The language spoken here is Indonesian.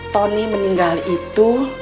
tony meninggal itu